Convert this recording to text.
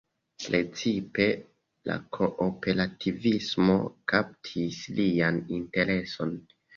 Precipe la kooperativismo kaptis lian intereson.